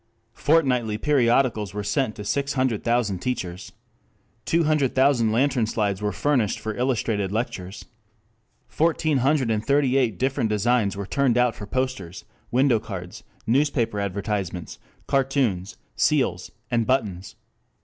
Fortnightly periodicals were sent to six hundred thousand teachers. Two hundred thousand lantern slides were furnished for illustrated lectures. Fourteen hundred and thirty eight different designs were turned out for posters, window cards, newspaper advertisements, cartoons, seals and buttons.